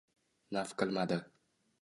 Naf qilmadi.